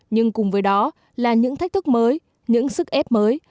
nhưng cùng với đó là những thách thức mới những sức ép mới